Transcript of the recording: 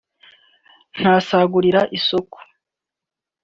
nta sagurira isoko